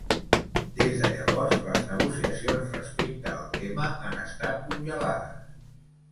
Des de llavors les negociacions respecte al tema han estat congelades.